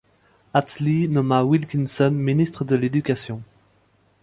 Attlee nomma Wilkinson ministre de l'Éducation.